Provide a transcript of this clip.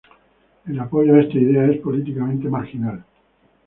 El apoyo a esta idea es políticamente marginal.